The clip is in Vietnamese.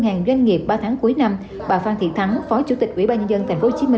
hàng doanh nghiệp ba tháng cuối năm bà phan thị thắng phó chủ tịch quỹ ba nhân dân tp hcm đề